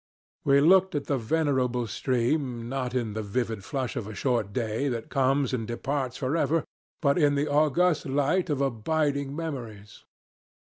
We looked at the venerable stream not in the vivid flush of a short day that comes and departs for ever, but in the august light of abiding memories.